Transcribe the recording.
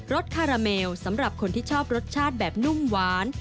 สคาราเมลสำหรับคนที่ชอบรสชาติแบบนุ่มหวาน